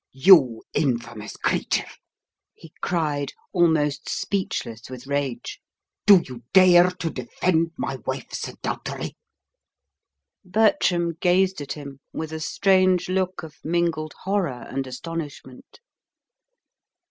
"You infamous creature," he cried, almost speechless with rage, "do you dare to defend my wife's adultery?" Bertram gazed at him with a strange look of mingled horror and astonishment.